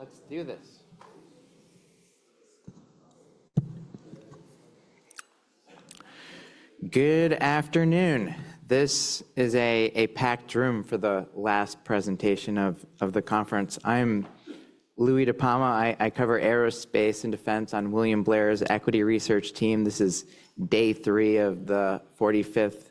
Let's do this. Good afternoon. This is a packed room for the last presentation of the conference. I'm Louis DePalma. I cover Aerospace and Defense on William Blair's Equity Research Team. This is day three of the 45th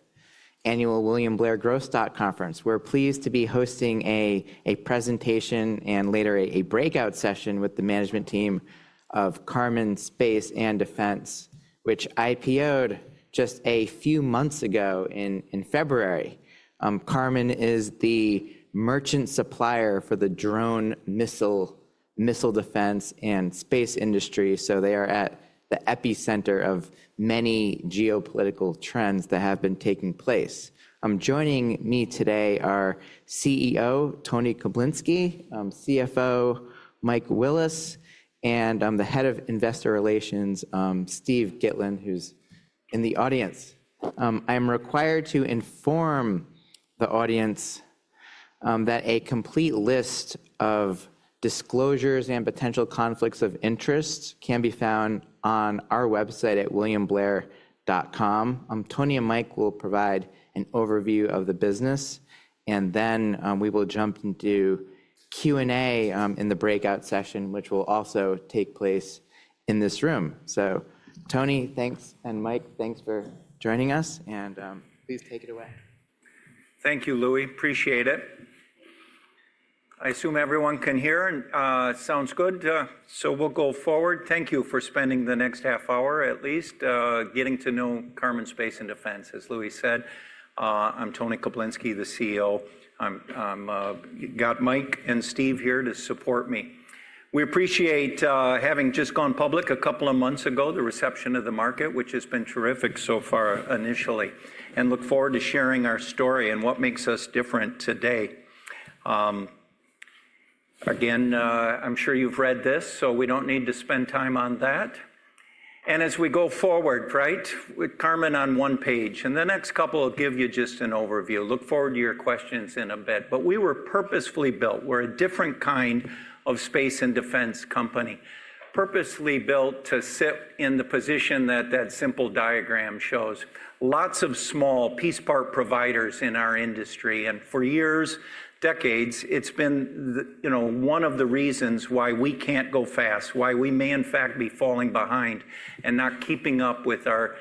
Annual William Blair Growth Stock Conference. We're pleased to be hosting a presentation and later a breakout session with the management team of Karman Space & Defense, which IPO'd just a few months ago in February. Karman is the merchant supplier for the drone missile defense and space industry, so they are at the epicenter of many geopolitical trends that have been taking place. Joining me today are CEO Tony Koblinski, CFO Mike Willis, and the head of investor relations, Steve Gitlin, who's in the audience. I am required to inform the audience that a complete list of disclosures and potential conflicts of interest can be found on our website at williamblair.com. Tony and Mike will provide an overview of the business, and then we will jump into Q&A in the breakout session, which will also take place in this room. Tony, thanks, and Mike, thanks for joining us, and please take it away. Thank you, Louis. Appreciate it. I assume everyone can hear, and it sounds good, so we'll go forward. Thank you for spending the next half hour at least getting to know Karman Space & Defense. As Louis said, I'm Tony Koblinski, the CEO. I've got Mike and Steve here to support me. We appreciate having just gone public a couple of months ago, the reception of the market, which has been terrific so far initially, and look forward to sharing our story and what makes us different today. Again, I'm sure you've read this, so we don't need to spend time on that. As we go forward, right, with Karman on one page, and the next couple will give you just an overview. Look forward to your questions in a bit. We were purposefully built. We're a different kind of space and defense company, purposely built to sit in the position that that simple diagram shows. Lots of small piece part providers in our industry, and for years, decades, it's been one of the reasons why we can't go fast, why we may in fact be falling behind and not keeping up with our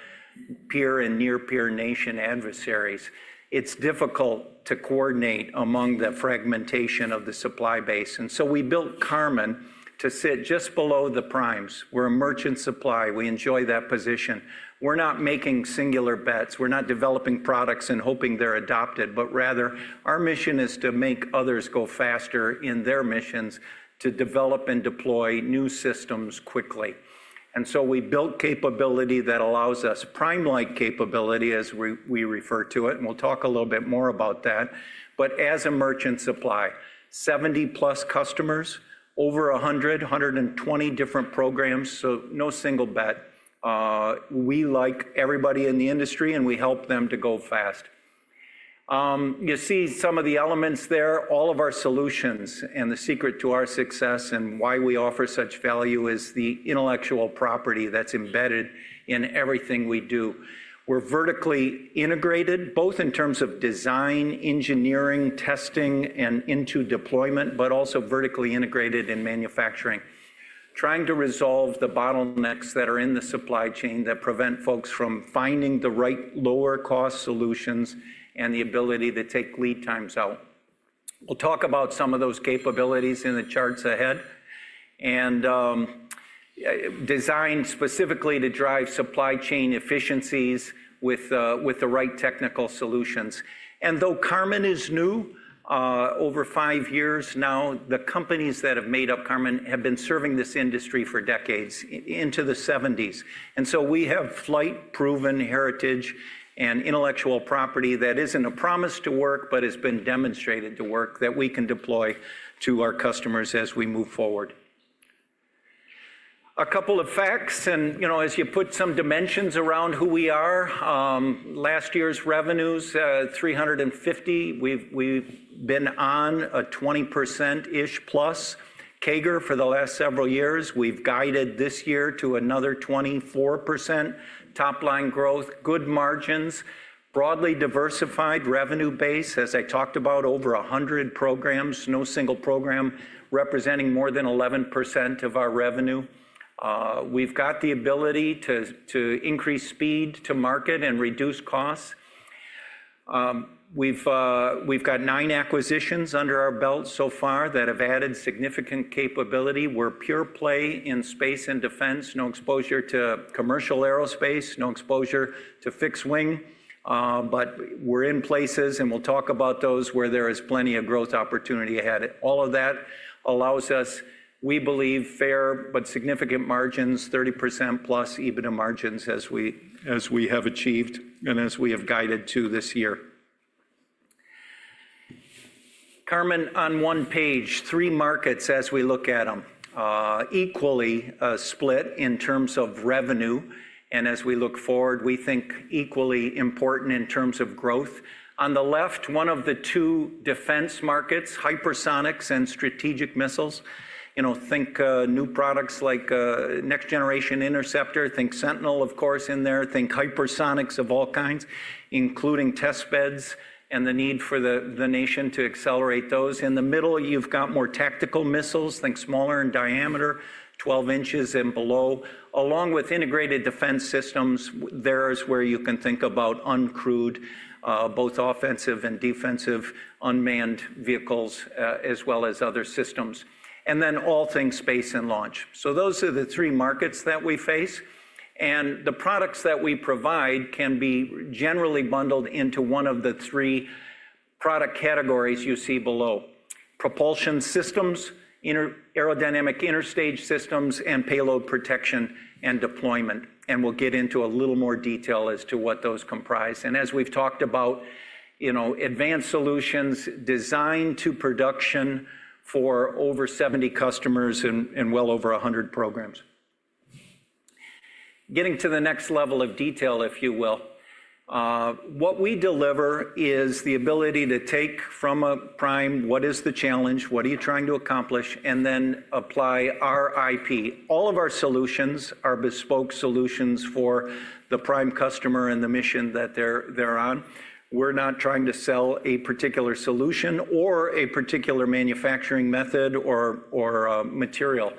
peer and near-peer nation adversaries. It's difficult to coordinate among the fragmentation of the supply base, and so we built Karman to sit just below the primes. We're a merchant supply. We enjoy that position. We're not making singular bets. We're not developing products and hoping they're adopted, but rather our mission is to make others go faster in their missions to develop and deploy new systems quickly. We built capability that allows us prime-like capability, as we refer to it, and we'll talk a little bit more about that. As a merchant supply, 70-plus customers, over 100, 120 different programs, so no single bet. We like everybody in the industry, and we help them to go fast. You see some of the elements there. All of our solutions and the secret to our success and why we offer such value is the intellectual property that's embedded in everything we do. We're vertically integrated, both in terms of design, engineering, testing, and into deployment, but also vertically integrated in manufacturing, trying to resolve the bottlenecks that are in the supply chain that prevent folks from finding the right lower-cost solutions and the ability to take lead times out. We'll talk about some of those capabilities in the charts ahead and designed specifically to drive supply chain efficiencies with the right technical solutions. Though Karman is new, over five years now, the companies that have made up Karman have been serving this industry for decades, into the 1970s. We have flight-proven heritage and intellectual property that isn't a promise to work, but has been demonstrated to work, that we can deploy to our customers as we move forward. A couple of facts, and as you put some dimensions around who we are. Last year's revenues, $350 million. We've been on a 20%-ish plus CAGR for the last several years. We've guided this year to another 24% top-line growth, good margins, broadly diversified revenue base, as I talked about, over 100 programs, no single program representing more than 11% of our revenue. We've got the ability to increase speed to market and reduce costs. We've got nine acquisitions under our belt so far that have added significant capability. We're pure play in space and defense, no exposure to commercial aerospace, no exposure to fixed wing, but we're in places, and we'll talk about those where there is plenty of growth opportunity ahead. All of that allows us, we believe, fair but significant margins, 30%+ EBITDA margins as we have achieved and as we have guided to this year. Karman on one page, three markets as we look at them, equally split in terms of revenue, and as we look forward, we think equally important in terms of growth. On the left, one of the two defense markets, hypersonics and strategic missiles. Think new products like Next-Generation Interceptor, think Sentinel, of course, in there, think hypersonics of all kinds, including test beds and the need for the nation to accelerate those. In the middle, you've got more tactical missiles, think smaller in diameter, 12 inches and below, along with integrated defense systems. There is where you can think about uncrewed, both offensive and defensive unmanned vehicles, as well as other systems, and then all things space and launch. Those are the three markets that we face, and the products that we provide can be generally bundled into one of the three product categories you see below: propulsion systems, aerodynamic interstage systems, and payload protection and deployment. We'll get into a little more detail as to what those comprise. As we've talked about, advanced solutions designed to production for over 70 customers and well over 100 programs. Getting to the next level of detail, if you will, what we deliver is the ability to take from a prime, what is the challenge, what are you trying to accomplish, and then apply our IP. All of our solutions are bespoke solutions for the prime customer and the mission that they're on. We're not trying to sell a particular solution or a particular manufacturing method or material.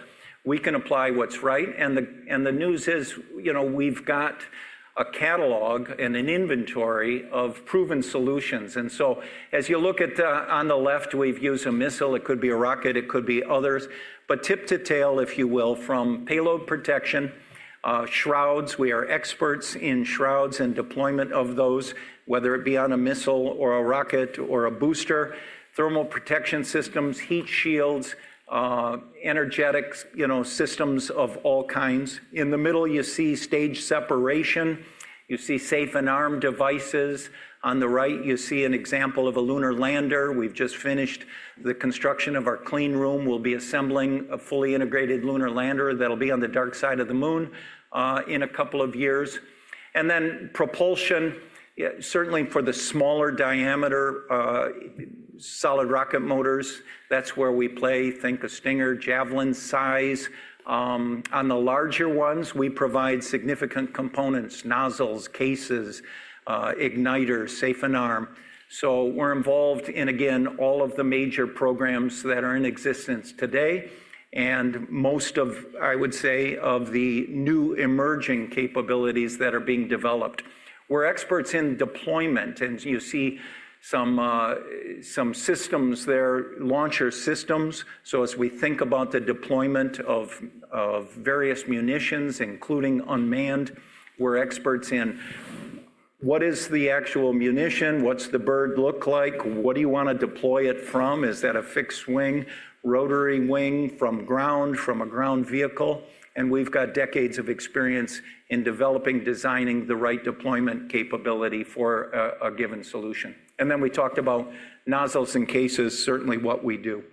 We can apply what's right, and the news is we've got a catalog and an inventory of proven solutions. As you look at on the left, we've used a missile. It could be a rocket. It could be others. Tip to tail, if you will, from payload protection, shrouds. We are experts in shrouds and deployment of those, whether it be on a missile or a rocket or a booster, thermal protection systems, heat shields, energetic systems of all kinds. In the middle, you see stage separation. You see safe and arm devices. On the right, you see an example of a lunar lander. We have just finished the construction of our clean room. We will be assembling a fully integrated lunar lander that will be on the dark side of the moon in a couple of years. Propulsion, certainly for the smaller diameter, solid rocket motors, that is where we play. Think a Stinger Javelin size. On the larger ones, we provide significant components, nozzles, cases, igniters, safe and arm. We are involved in, again, all of the major programs that are in existence today and most of, I would say, of the new emerging capabilities that are being developed. We're experts in deployment, and you see some systems there, launcher systems. As we think about the deployment of various munitions, including unmanned, we're experts in what is the actual munition, what's the bird look like, what do you want to deploy it from, is that a fixed wing, rotary wing, from ground, from a ground vehicle. We've got decades of experience in developing, designing the right deployment capability for a given solution. We talked about nozzles and cases, certainly what we do.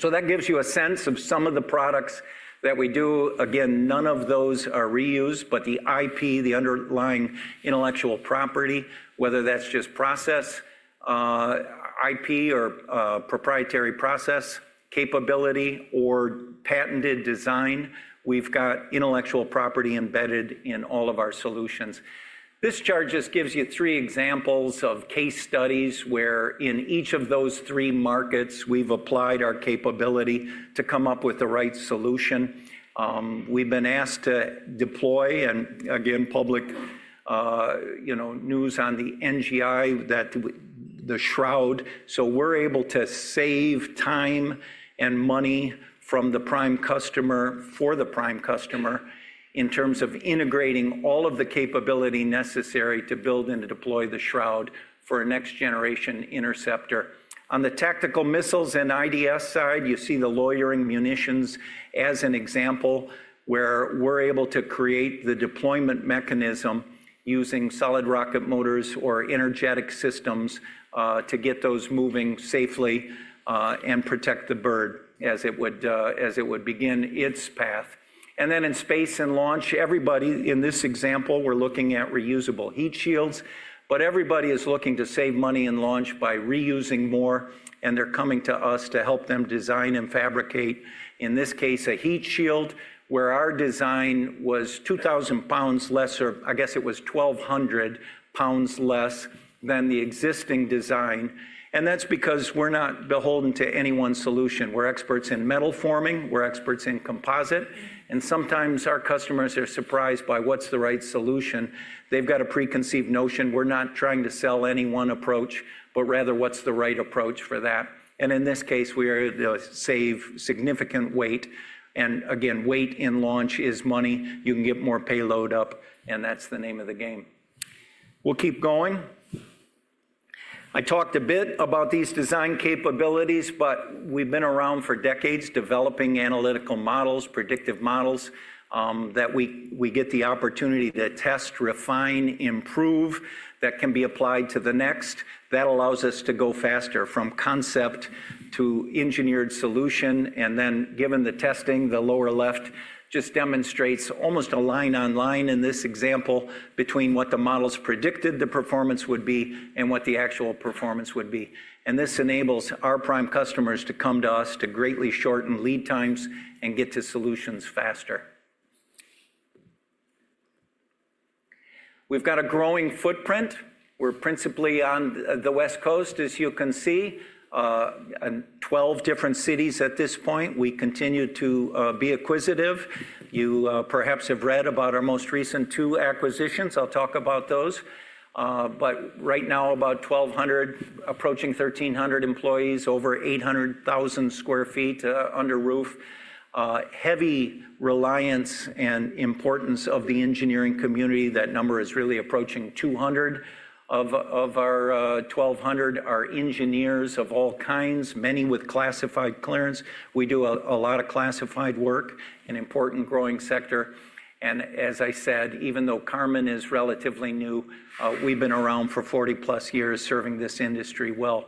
That gives you a sense of some of the products that we do. Again, none of those are reused, but the IP, the underlying intellectual property, whether that's just process IP or proprietary process capability or patented design, we've got intellectual property embedded in all of our solutions. This chart just gives you three examples of case studies where in each of those three markets we've applied our capability to come up with the right solution. We've been asked to deploy, and again, public news on the NGI that the shroud, so we're able to save time and money for the prime customer in terms of integrating all of the capability necessary to build and deploy the shroud for a next-generation interceptor. On the tactical missiles and integrated defense systems side, you see the loitering munitions as an example where we're able to create the deployment mechanism using solid rocket motors or energetic systems to get those moving safely and protect the bird as it would begin its path. In space and launch, everybody in this example, we're looking at reusable heat shields, but everybody is looking to save money in launch by reusing more, and they're coming to us to help them design and fabricate, in this case, a heat shield where our design was 2,000 lbs less, or I guess it was 1,200 lbs less than the existing design. That's because we're not beholden to any one solution. We're experts in metal forming. We're experts in composite, and sometimes our customers are surprised by what's the right solution. They've got a preconceived notion. We're not trying to sell any one approach, but rather what's the right approach for that. In this case, we are able to save significant weight. Again, weight in launch is money. You can get more payload up, and that's the name of the game. We'll keep going. I talked a bit about these design capabilities, but we've been around for decades developing analytical models, predictive models that we get the opportunity to test, refine, improve that can be applied to the next. That allows us to go faster from concept to engineered solution. Given the testing, the lower left just demonstrates almost a line-on-line in this example between what the models predicted the performance would be and what the actual performance would be. This enables our prime customers to come to us to greatly shorten lead times and get to solutions faster. We've got a growing footprint. We're principally on the West Coast, as you can see, in 12 different cities at this point. We continue to be acquisitive. You perhaps have read about our most recent two acquisitions. I'll talk about those. Right now, about 1,200, approaching 1,300 employees, over 800,000 sq ft under roof. Heavy reliance and importance of the engineering community. That number is really approaching 200 of our 1,200 are engineers of all kinds, many with classified clearance. We do a lot of classified work, an important growing sector. As I said, even though Karman is relatively new, we have been around for 40-plus years serving this industry well.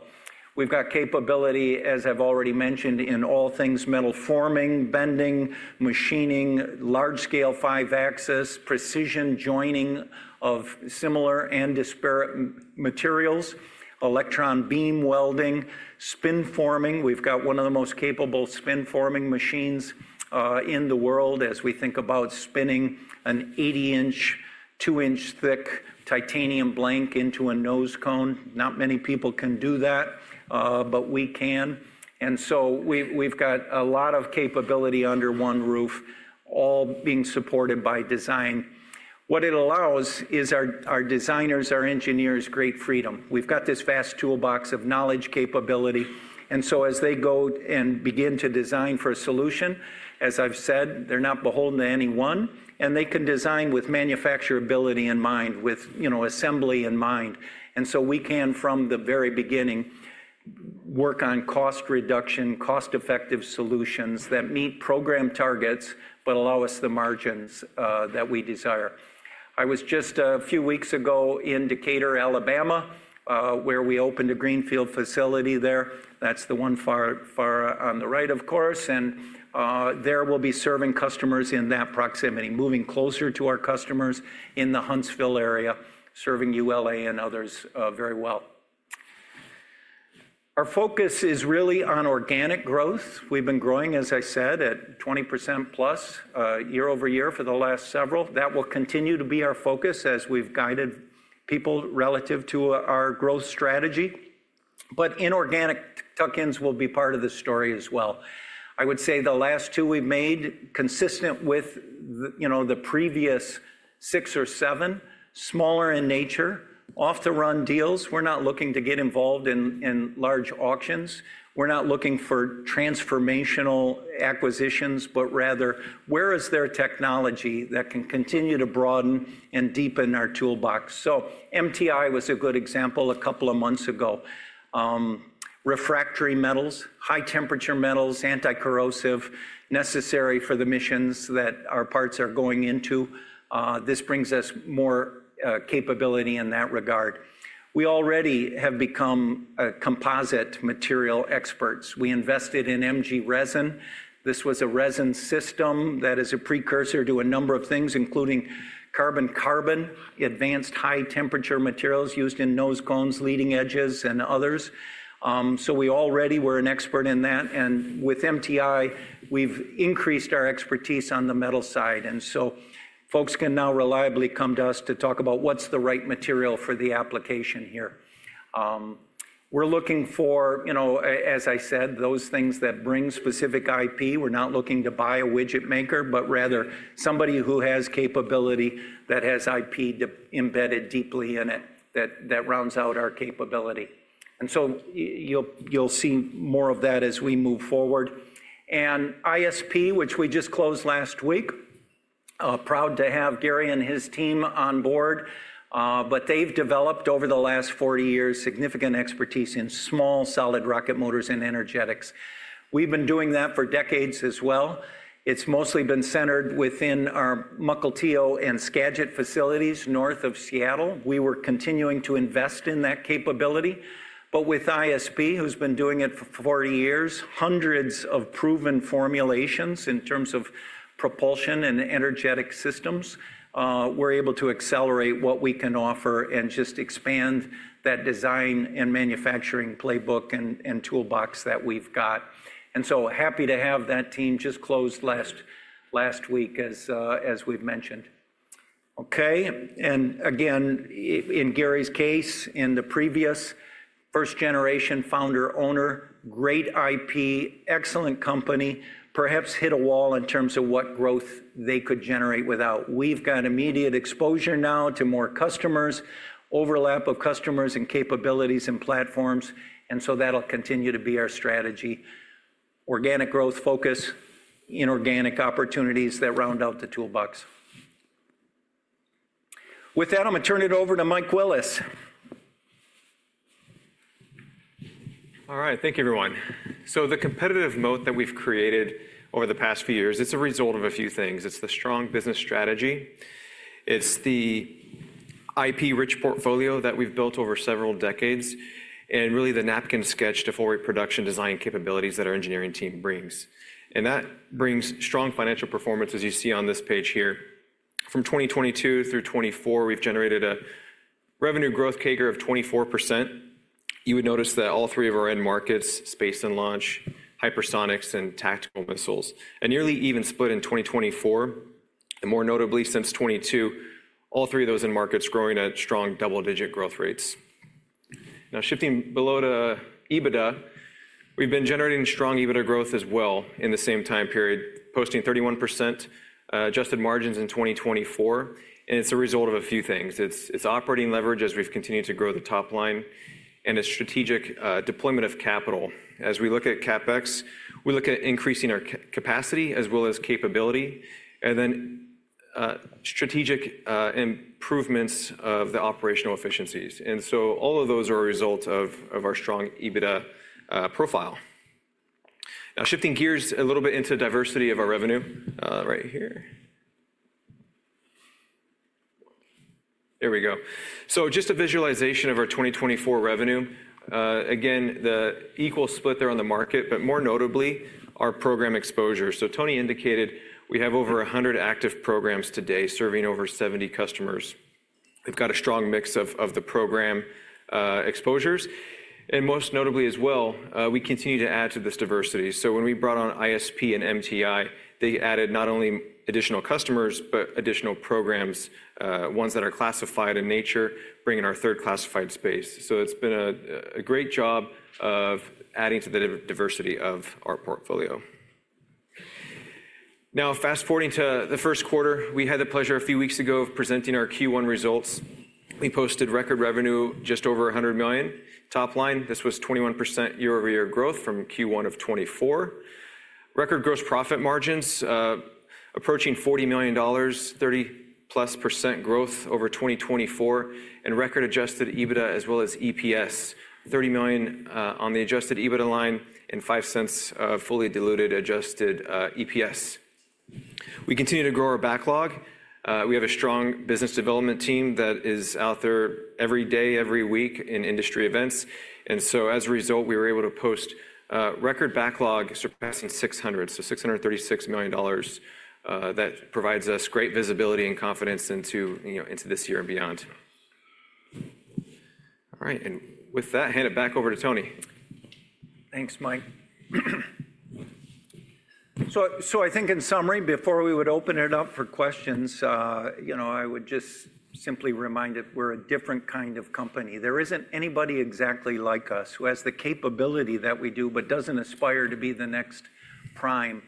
We have capability, as I have already mentioned, in all things metal forming, bending, machining, large-scale five-axis, precision joining of similar and disparate materials, electron beam welding, spin forming. We have one of the most capable spin forming machines in the world as we think about spinning an 80-inch, 2-inch thick titanium blank into a nose cone. Not many people can do that, but we can. We have a lot of capability under one roof, all being supported by design. What it allows is our designers, our engineers, great freedom. We have this vast toolbox of knowledge, capability. As they go and begin to design for a solution, as I have said, they are not beholden to anyone, and they can design with manufacturability in mind, with assembly in mind. We can, from the very beginning, work on cost reduction, cost-effective solutions that meet program targets but allow us the margins that we desire. I was just a few weeks ago in Decatur, Alabama, where we opened a greenfield facility there. That is the one far on the right, of course. There we will be serving customers in that proximity, moving closer to our customers in the Huntsville area, serving ULA and others very well. Our focus is really on organic growth. We've been growing, as I said, at 20%+ year over year for the last several. That will continue to be our focus as we've guided people relative to our growth strategy. Inorganic tuck-ins will be part of the story as well. I would say the last two we've made consistent with the previous six or seven, smaller in nature, off-the-run deals. We're not looking to get involved in large auctions. We're not looking for transformational acquisitions, but rather where is there technology that can continue to broaden and deepen our toolbox. MTI was a good example a couple of months ago. Refractory metals, high-temperature metals, anti-corrosive, necessary for the missions that our parts are going into. This brings us more capability in that regard. We already have become composite material experts. We invested in MG Resin. This was a resin system that is a precursor to a number of things, including carbon-carbon, advanced high-temperature materials used in nose cones, leading edges, and others. We already were an expert in that. With MTI, we've increased our expertise on the metal side. Folks can now reliably come to us to talk about what's the right material for the application here. We're looking for, as I said, those things that bring specific IP. We're not looking to buy a widget maker, but rather somebody who has capability that has IP embedded deeply in it that rounds out our capability. You'll see more of that as we move forward. ISP, which we just closed last week, proud to have Gary and his team on board, but they've developed over the last 40 years significant expertise in small solid rocket motors and energetics. We've been doing that for decades as well. It's mostly been centered within our Mukilteo and Skagit facilities north of Seattle. We were continuing to invest in that capability. With ISP, who's been doing it for 40 years, hundreds of proven formulations in terms of propulsion and energetic systems, we're able to accelerate what we can offer and just expand that design and manufacturing playbook and toolbox that we've got. Happy to have that team just closed last week, as we've mentioned. Okay. Again, in Gary's case, in the previous first-generation founder-owner, great IP, excellent company, perhaps hit a wall in terms of what growth they could generate without. We've got immediate exposure now to more customers, overlap of customers and capabilities and platforms. That'll continue to be our strategy. Organic growth focus, inorganic opportunities that round out the toolbox. With that, I'm going to turn it over to Mike Willis. All right. Thank you, everyone. The competitive moat that we've created over the past few years, it's a result of a few things. It's the strong business strategy. It's the IP-rich portfolio that we've built over several decades and really the napkin sketch to full production design capabilities that our engineering team brings. That brings strong financial performance, as you see on this page here. From 2022 through 2024, we've generated a revenue growth CAGR of 24%. You would notice that all three of our end markets, space and launch, hypersonics, and tactical missiles, are nearly even split in 2024 and more notably since 2022, all three of those end markets growing at strong double-digit growth rates. Now, shifting below to EBITDA, we've been generating strong EBITDA growth as well in the same time period, posting 31% adjusted margins in 2024. It is a result of a few things. It is operating leverage as we've continued to grow the top line and a strategic deployment of capital. As we look at CapEx, we look at increasing our capacity as well as capability and then strategic improvements of the operational efficiencies. All of those are a result of our strong EBITDA profile. Now, shifting gears a little bit into diversity of our revenue right here. There we go. Just a visualization of our 2024 revenue. Again, the equal split there on the market, but more notably our program exposure. Tony indicated we have over 100 active programs today serving over 70 customers. We've got a strong mix of the program exposures. Most notably as well, we continue to add to this diversity. When we brought on ISP and MTI, they added not only additional customers, but additional programs, ones that are classified in nature, bringing our third classified space. It has been a great job of adding to the diversity of our portfolio. Now, fast forwarding to the first quarter, we had the pleasure a few weeks ago of presenting our Q1 results. We posted record revenue just over $100 million. Top line, this was 21% year-over-year growth from Q1 of 2024. Record gross profit margins approaching $40 million, 30-plus % growth over 2024, and record adjusted EBITDA as well as EPS, $30 million on the adjusted EBITDA line and $0.05 of fully diluted adjusted EPS. We continue to grow our backlog. We have a strong business development team that is out there every day, every week in industry events. As a result, we were able to post record backlog surpassing $600 million, so $636 million, that provides us great visibility and confidence into this year and beyond. All right. With that, hand it back over to Tony. Thanks, Mike. I think in summary, before we would open it up for questions, I would just simply remind that we're a different kind of company. There isn't anybody exactly like us who has the capability that we do, but doesn't aspire to be the next prime.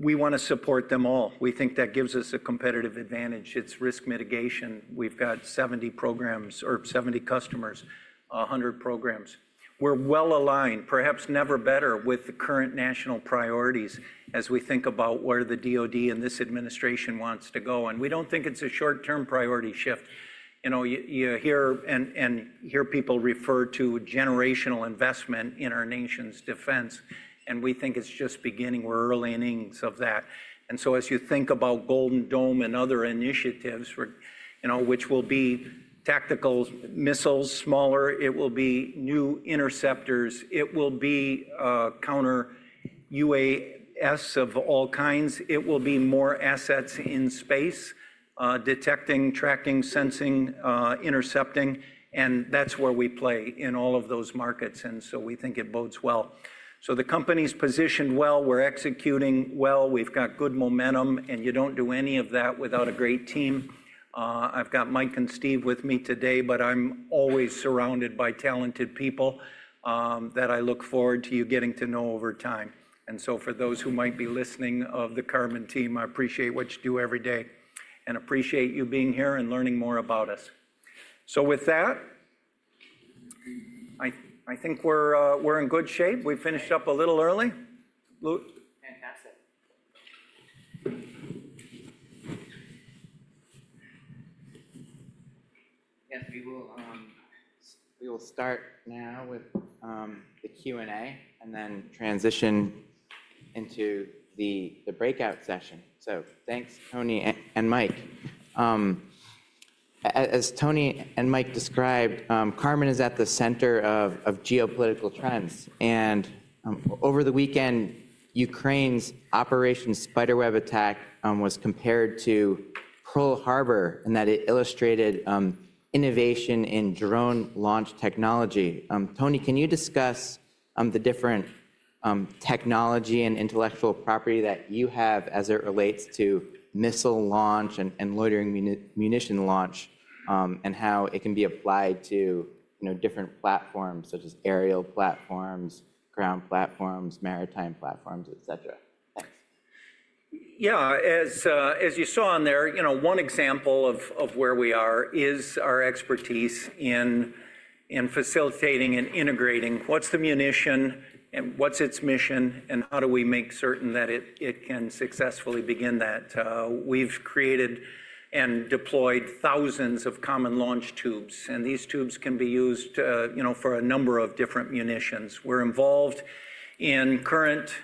We want to support them all. We think that gives us a competitive advantage. It's risk mitigation. We've got 70 programs or 70 customers, 100 programs. We're well aligned, perhaps never better, with the current national priorities as we think about where the DOD and this administration wants to go. We don't think it's a short-term priority shift. You hear people refer to generational investment in our nation's defense, and we think it's just beginning. We're early innings of that. As you think about Golden Dome and other initiatives, which will be tactical missiles, smaller, it will be new interceptors, it will be counter UAS of all kinds, it will be more assets in space, detecting, tracking, sensing, intercepting. That is where we play in all of those markets. We think it bodes well. The company is positioned well. We are executing well. We have good momentum. You do not do any of that without a great team. I have Mike and Steve with me today, but I am always surrounded by talented people that I look forward to you getting to know over time. For those who might be listening of the Karman team, I appreciate what you do every day and appreciate you being here and learning more about us. With that, I think we are in good shape. We finished up a little early. Fantastic. Yes, we will start now with the Q&A and then transition into the breakout session. Thanks, Tony and Mike. As Tony and Mike described, Karman is at the center of geopolitical trends. Over the weekend, Ukraine's operation spiderweb attack was compared to Pearl Harbor in that it illustrated innovation in drone launch technology. Tony, can you discuss the different technology and intellectual property that you have as it relates to missile launch and loitering munition launch and how it can be applied to different platforms such as aerial platforms, ground platforms, maritime platforms, etc.? Thanks. Yeah. As you saw on there, one example of where we are is our expertise in facilitating and integrating what's the munition and what's its mission and how do we make certain that it can successfully begin that. We've created and deployed thousands of common launch tubes. And these tubes can be used for a number of different munitions. We're involved in current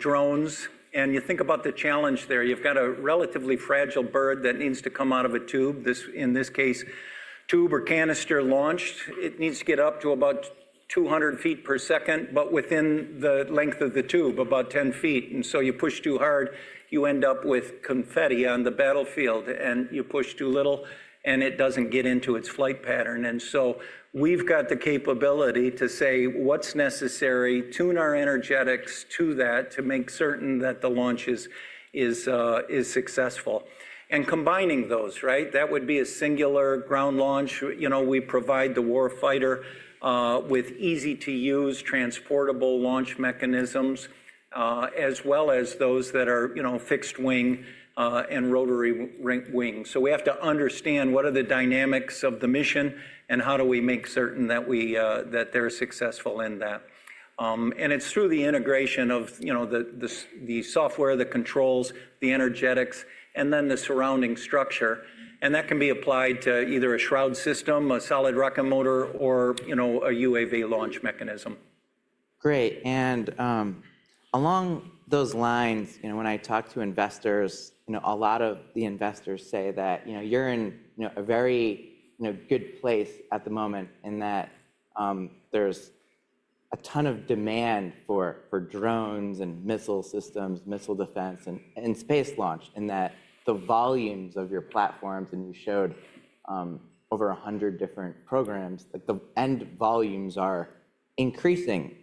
drones. You think about the challenge there. You've got a relatively fragile bird that needs to come out of a tube. In this case, tube or canister launched. It needs to get up to about 200 feet per second, but within the length of the tube, about 10 feet. You push too hard, you end up with confetti on the battlefield, and you push too little, and it doesn't get into its flight pattern. We have got the capability to say what is necessary, tune our energetics to that to make certain that the launch is successful. Combining those, that would be a singular ground launch. We provide the war fighter with easy-to-use, transportable launch mechanisms, as well as those that are fixed wing and rotary wing. We have to understand what are the dynamics of the mission and how do we make certain that they are successful in that. It is through the integration of the software, the controls, the energetics, and then the surrounding structure. That can be applied to either a shroud system, a solid rocket motor, or a UAV launch mechanism. Great. Along those lines, when I talk to investors, a lot of the investors say that you're in a very good place at the moment in that there's a ton of demand for drones and missile systems, missile defense, and space launch in that the volumes of your platforms, and you showed over 100 different programs, the end volumes are increasing.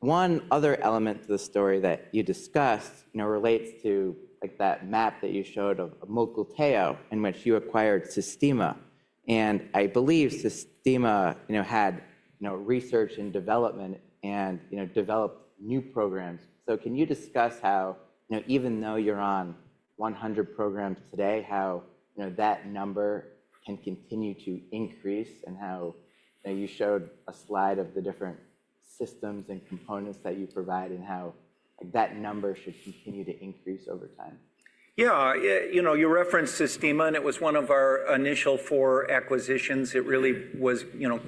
One other element of the story that you discussed relates to that map that you showed of Mukilteo in which you acquired Systima. I believe Systima had research and development and developed new programs. Can you discuss how, even though you're on 100 programs today, how that number can continue to increase and how you showed a slide of the different systems and components that you provide and how that number should continue to increase over time? Yeah. You referenced Systima, and it was one of our initial four acquisitions. It really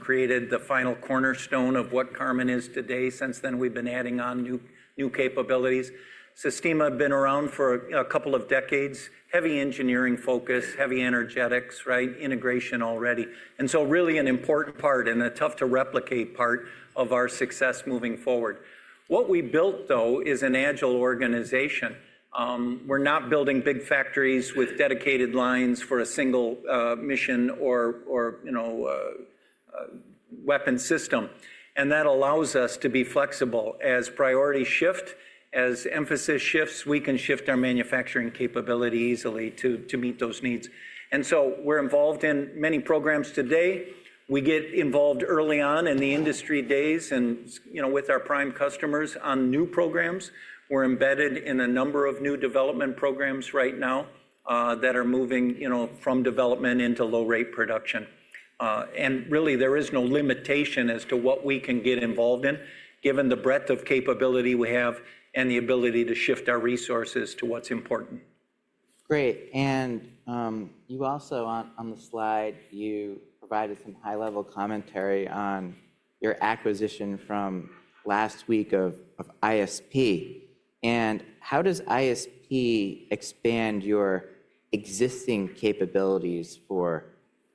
created the final cornerstone of what Karman is today. Since then, we've been adding on new capabilities. Systima has been around for a couple of decades, heavy engineering focus, heavy energetics, integration already. It is really an important part and a tough-to-replicate part of our success moving forward. What we built, though, is an agile organization. We're not building big factories with dedicated lines for a single mission or weapon system. That allows us to be flexible. As priorities shift, as emphasis shifts, we can shift our manufacturing capability easily to meet those needs. We are involved in many programs today. We get involved early on in the industry days and with our prime customers on new programs. We're embedded in a number of new development programs right now that are moving from development into low-rate production. Really, there is no limitation as to what we can get involved in, given the breadth of capability we have and the ability to shift our resources to what's important. Great. You also on the slide, you provided some high-level commentary on your acquisition from last week of ISP. How does ISP expand your existing capabilities for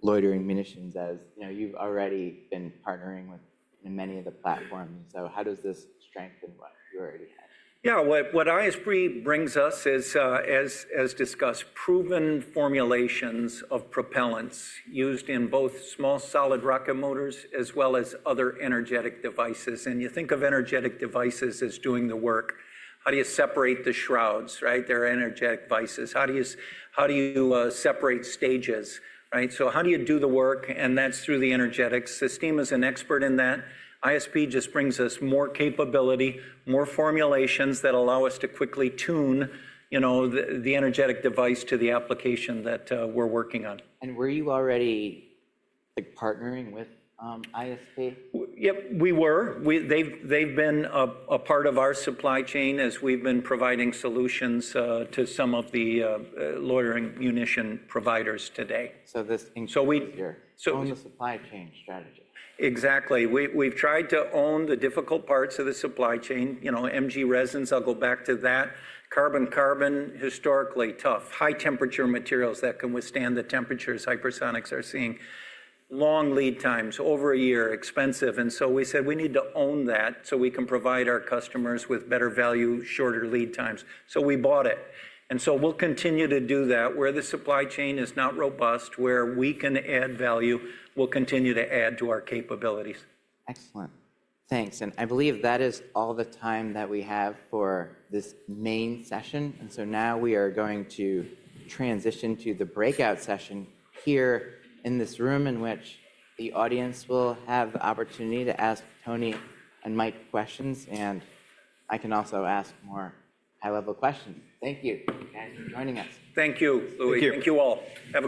loitering munitions as you've already been partnering with many of the platforms? How does this strengthen what you already have? Yeah. What ISP brings us is, as discussed, proven formulations of propellants used in both small solid rocket motors as well as other energetic devices. You think of energetic devices as doing the work. How do you separate the shrouds, right? They're energetic devices. How do you separate stages? How do you do the work? That's through the energetics. Systima is an expert in that. ISP just brings us more capability, more formulations that allow us to quickly tune the energetic device to the application that we're working on. Were you already partnering with ISP? Yep, we were. They've been a part of our supply chain as we've been providing solutions to some of the loitering munition providers today. This increases your own supply chain strategy. Exactly. We've tried to own the difficult parts of the supply chain. MG Resin, I'll go back to that. Carbon-carbon, historically tough, high-temperature materials that can withstand the temperatures hypersonics are seeing. Long lead times, over a year, expensive. We said we need to own that so we can provide our customers with better value, shorter lead times. We bought it. We'll continue to do that. Where the supply chain is not robust, where we can add value, we'll continue to add to our capabilities. Excellent. Thanks. I believe that is all the time that we have for this main session. Now we are going to transition to the breakout session here in this room in which the audience will have the opportunity to ask Tony and Mike questions. I can also ask more high-level questions. Thank you, guys, for joining us. Thank you, Louis. Thank you all.